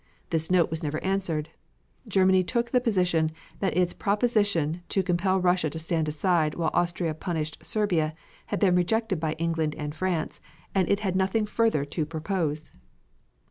This note was never answered. Germany took the position that its proposition to compel Russia to stand aside while Austria punished Serbia had been rejected by England and France and it had nothing further to propose.